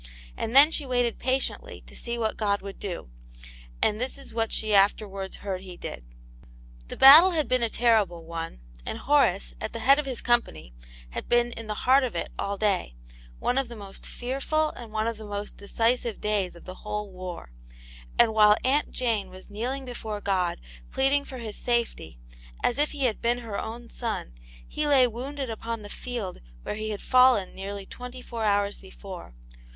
And then she waited patiently to see what God w6uld do, and this IS what she afterwards heard He did. The battle had been a terrible one, and Horace, at the head of his company, had been in the heart of it all day ; one of the most fearful and one of the most decisive days of the whole war. And while Aunt Jane was kneeling before God, pleading for his safety, as if he had been her own son, he lay wounded upon the field where he had fallen nearly twenty four hours before.